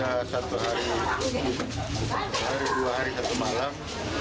kalau sudah satu hari dua hari satu malam